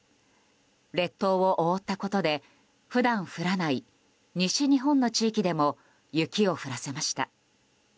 列島を覆ったことで普段降らない西日本の地域でも雪を降らせました。